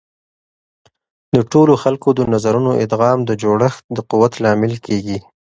د ټولو خلکو د نظرونو ادغام د جوړښت د قوت لامل کیږي.